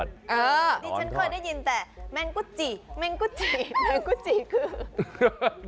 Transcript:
ฉันเคลื่อนได้ยินแต่แมงกูจี้แมงกูจี้